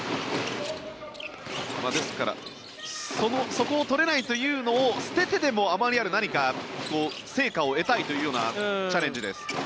ですからそこを取れないというのを捨ててでも、余りある何か成果を得たいというようなチャレンジです。